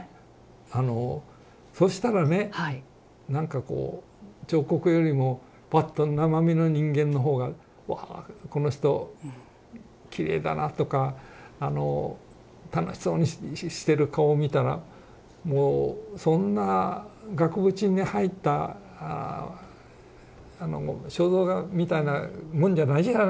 あのそしたらねなんかこう彫刻よりもパッと生身の人間の方が「わこの人きれいだな」とか楽しそうにしてる顔見たらもうそんな額縁に入った肖像画みたいなもんじゃない。